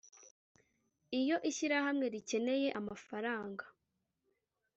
iyo ishyirahamwe rikeneye amafaranga